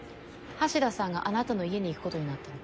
橋田さんがあなたの家に行くことになったの。